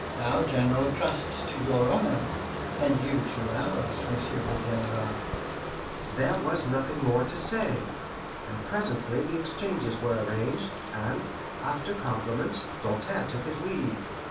Our General trusts to your honour, and you to ours, Monsieur le General." There was nothing more to say, and presently the exchanges were arranged, and, after compliments, Doltaire took his leave.